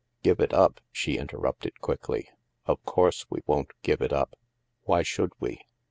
"Give it up?" she interrupted quickly.. "Of course we won't give it up. Why should we?